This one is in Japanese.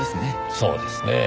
そうですね。